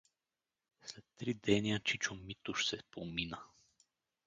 След три деня чичо Митуш се помина.